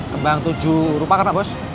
kembang tujuh rupakan pak pos